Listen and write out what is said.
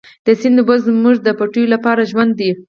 د سیند اوبه زموږ د پټیو لپاره ژوند دی.